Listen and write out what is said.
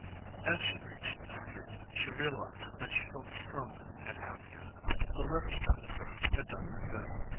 As she reached the street she realized that she felt stronger and happier: the little episode had done her good.